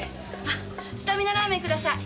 あっスタミナラーメンください。